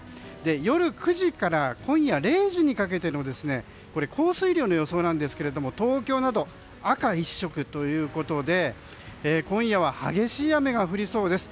夜９時から今夜０時にかけての降水量の予想ですが東京など赤１色ということで今夜は激しい雨が降りそうです。